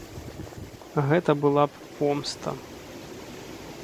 Гэта была б помста.